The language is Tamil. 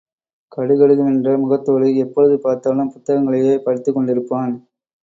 கடுகடுவென்ற முகத்தோடு எப்பொழுது பார்த்தாலும் புத்தகங்களையே படித்துக் கொண்டிருப்பான்.